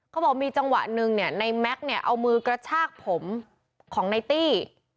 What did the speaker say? เขาบอกมีจังหวะหนึ่งในแม็กซ์เอามือกระชากผมของในตี้